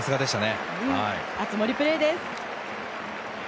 熱盛プレーです！